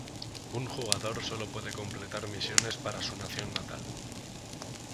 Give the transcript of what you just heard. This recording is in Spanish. Un jugador solo puede completar misiones para su nación natal.